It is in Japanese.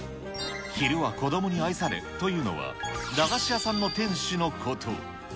昼は子どもに愛されというのは、駄菓子屋さんの店主のこと。